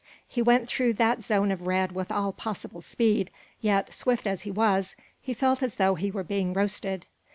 He went through that zone of red with all possible speed, yet swift as he was, he felt as though he were being roasted.